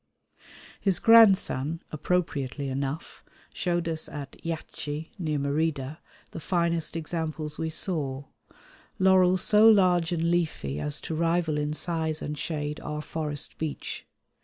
His grandson, appropriately enough, showed us at Yaxche near Merida the finest examples we saw, laurels so large and leafy as to rival in size and shade our forest beech.